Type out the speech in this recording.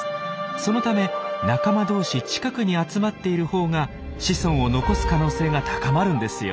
そのため仲間同士近くに集まっているほうが子孫を残す可能性が高まるんですよ。